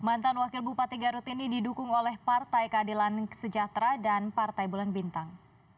mantan wakil bupati garut ini didukung oleh partai keadilan sejahtera dan partai bulan bintang